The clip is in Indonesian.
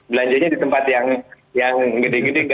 belanjanya di tempat yang gede gede